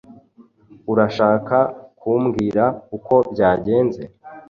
Urashaka kumbwira uko byagenze?